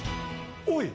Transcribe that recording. おい！